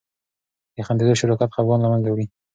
د خندیدو شراکت خفګان له منځه وړي.